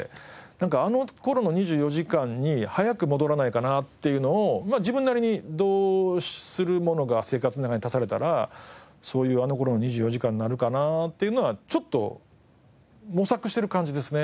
あの頃の２４時間に早く戻らないかなっていうのを自分なりにどうするものが生活の中に足されたらそういうあの頃の２４時間になるかなっていうのはちょっと模索してる感じですね。